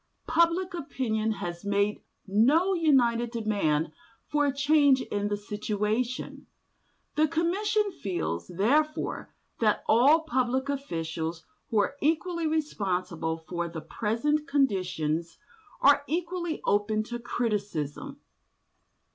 Public opinion has made no united demand for a change in the situation. The Commission feels, therefore, that all public officials who are equally responsible for the present conditions are equally open to criticism.